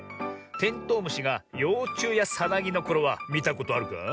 テントウムシがようちゅうやさなぎのころはみたことあるか？